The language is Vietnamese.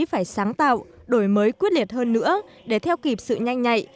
phải sáng tạo đổi mới quyết liệt hơn nữa để theo kịp sự nhanh nhạy